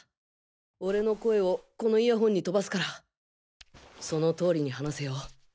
俺の声をこのイヤホンに飛ばすからその通りに話せよ。